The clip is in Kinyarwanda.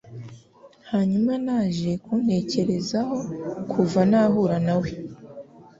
Hanyuma naje kunte kereza hoKuva nahura nawe